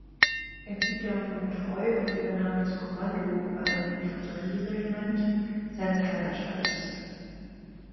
Er blieb der Union treu und übernahm das Kommando über ein Infanterieregiment seines Heimatstaates.